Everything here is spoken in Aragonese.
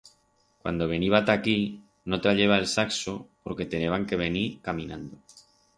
Cuando veniba ta aquí, no trayeba el saxo porque teneban que venir caminando.